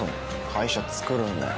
会社作るんだよ